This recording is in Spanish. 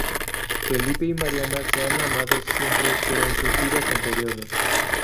Felipe y Mariana se han amado siempre, pero en sus vidas anteriores.